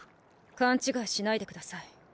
勘違いしないでください。